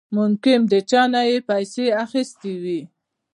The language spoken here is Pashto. ممکن د چانه يې پيسې اخېستې وي.